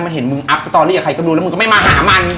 มันเห็นมึงอัพสตอรี่กับใครก็ดูแล้วมึงก็ไม่มาหามัน